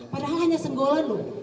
padahal hanya senggolan loh